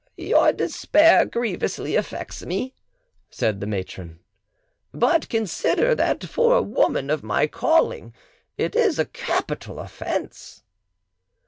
"Your despair grievously affects me," said the matron; "but consider that for a woman of my calling it is a capital offence."